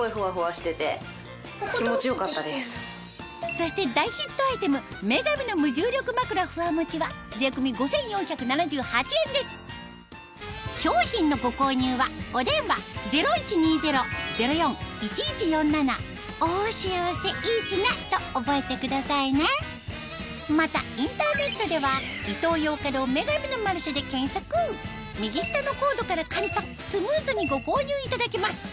そして大ヒットアイテム女神の無重力まくらＦｕｗａＭｏｃｈｉは税込み５４７８円です商品のご購入はお電話０１２０−０４−１１４７と覚えてくださいねまたインターネットでは右下のコードから簡単スムーズにご購入いただけます